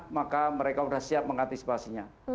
maka mereka sudah siap mengantisipasinya